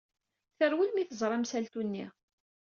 Terwel mi teẓra amsaltu-nni.